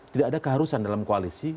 tidak ada keharusan dalam koalisi